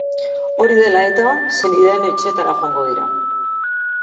Hori dela eta, senideen etxeetara joango dira.